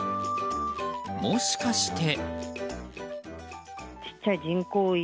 もしかして。